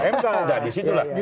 m kalau sudah